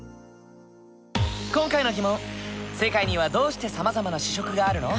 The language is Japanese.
今回の疑問「世界にはどうしてさまざまな主食があるの？」。